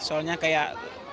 soalnya kayak apa ya ada lebih